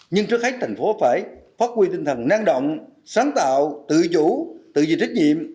nhưng trước hết thành phố phải phát huy tinh thần năng động sáng tạo tự chủ tự dịch trách nhiệm